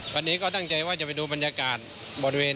วันนี้ก็ตั้งใจว่าจะไปดูบรรยากาศบริเวณ